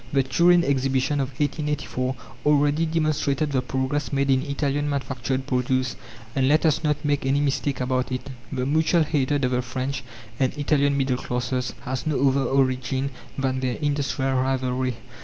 The Turin Exhibition of 1884 already demonstrated the progress made in Italian manufactured produce; and, let us not make any mistake about it, the mutual hatred of the French and Italian middle classes has no other origin than their industrial rivalry.